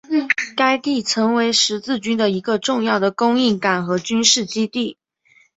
该地曾为十字军的一个重要的供应港和军事基地。